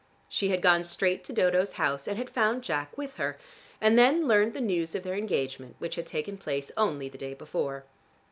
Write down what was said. She had gone straight to Dodo's house, and had found Jack with her and then learned the news of their engagement which had taken place only the day before.